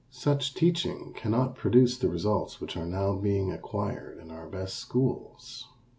Such teaching cannot produce the results which are now being acquired in our best schools.